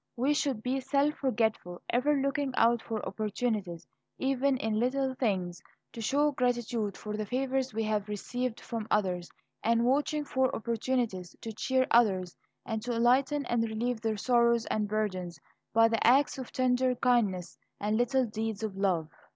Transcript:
"We should be self forgetful, ever looking out for opportunities, even in little things, to show gratitude for the favors we have received from others, and watching for opportunities to cheer others, and to lighten and relieve their sorrows and burdens, by acts of tender kindness and little deeds of love.